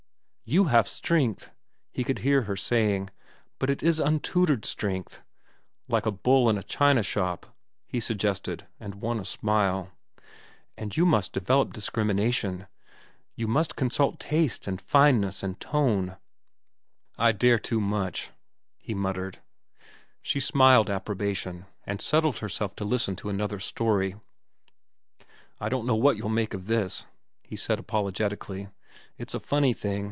"You have strength," he could hear her saying, "but it is untutored strength." "Like a bull in a china shop," he suggested, and won a smile. "And you must develop discrimination. You must consult taste, and fineness, and tone." "I dare too much," he muttered. She smiled approbation, and settled herself to listen to another story. "I don't know what you'll make of this," he said apologetically. "It's a funny thing.